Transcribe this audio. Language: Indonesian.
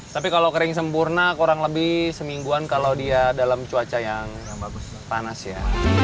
tapi kalau kering sempurna kurang lebih semingguan kalau dia dalam cuaca yang bagus panas ya